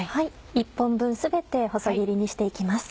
１本分全て細切りにして行きます。